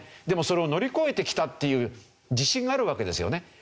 でもそれを乗り越えてきたという自信があるわけですよね。